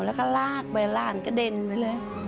เราก็ลากไปแล้วกระเด็นไปเลย